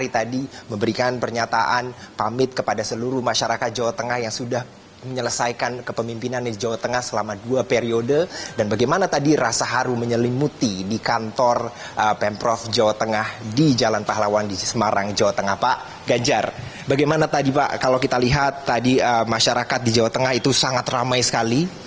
tadi masyarakat di jawa tengah itu sangat ramai sekali